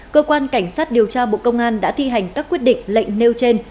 cơ quan cảnh sát điều tra bộ công an đã thi hành các quyết định lệnh nêu trên